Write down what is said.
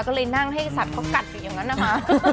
ก็เลยนั่งให้สัตว์เขากัดอยู่อย่างนั้นนะคะ